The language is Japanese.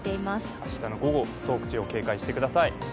明日の午後、警戒してください。